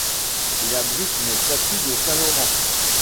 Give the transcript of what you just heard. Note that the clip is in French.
Il abrite une statue de saint Laurent.